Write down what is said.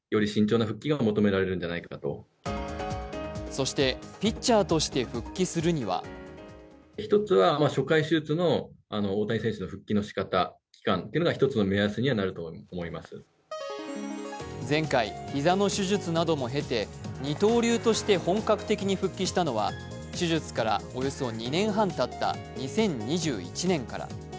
そして、ピッチャーとして復帰するには前回、膝の手術なども経て、二刀流として本格的に復帰したのは手術からおよそ２年半たった２０２１年から。